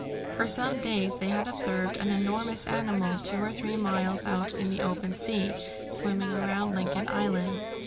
For some days they had observed an enormous animal two or three miles out in the open sea swimming around Lincoln Island.